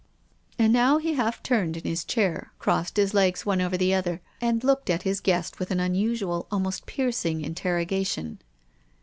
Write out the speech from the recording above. And now he half turned in his chair, crossed his legs one over the other, and looked at his guest with an unusual, almost piercing interroga tion.